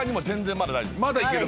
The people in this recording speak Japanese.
まだいける？